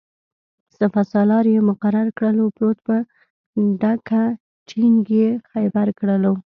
سپه سالار یې مقرر کړلو-پروت په ډکه ټینګ یې خیبر کړلو